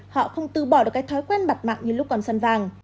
họ không tư bỏ được cái thói quen bặt mạng như lúc còn sân vang